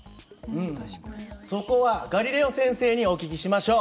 そこはガリレオ先生にお聞きしましょう。